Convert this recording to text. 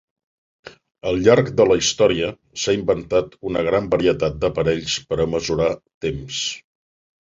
Al llarg de la història, s'ha inventat una gran varietat d'aparells per a mesurar temps.